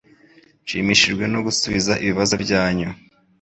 Nshimishijwe no gusubiza ibibazo byanyu